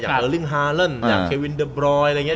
อย่างเออรึ้งฮาเริ่นอย่างเควินเดอร์บรอยอะไรอย่างเงี้ย